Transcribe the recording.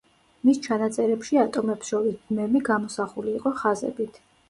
მის ჩანაწერებში ატომებს შორის ბმები გამოსახული იყო ხაზებით.